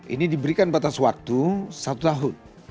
ini diberikan batas waktu satu tahun